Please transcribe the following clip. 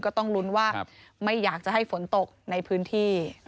ก็ต้องลุ้นว่าไม่อยากจะให้ฝนตกในพื้นที่